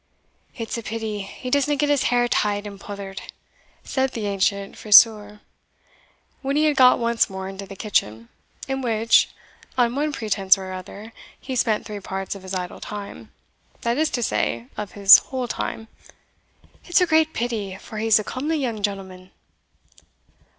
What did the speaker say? "It's a pity he disna get his hair tied and pouthered," said the ancient friseur, when he had got once more into the kitchen, in which, on one pretence or other, he spent three parts of his idle time that is to say, of his whole time "it's a great pity, for he's a comely young gentleman."